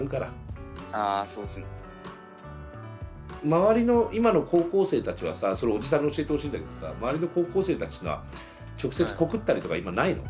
周りの今の高校生たちはさそれおじさんに教えてほしいんだけどさ周りの高校生たちは直接告ったりとか今ないの？